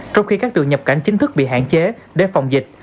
trong khi các trường nhập cảnh chính thức bị hạn chế để phòng dịch